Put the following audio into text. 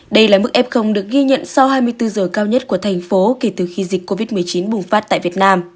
đây là mức f được ghi nhận sau hai mươi bốn giờ cao nhất của thành phố kể từ khi dịch covid một mươi chín bùng phát tại việt nam